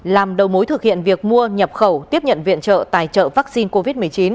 làm đầu mối thực hiện việc mua nhập khẩu tiếp nhận viện trợ tài trợ vaccine covid một mươi chín